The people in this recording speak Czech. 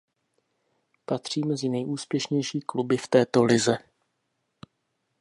Patří mezi nejúspěšnější kluby v této lize.